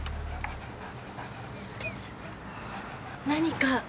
何か？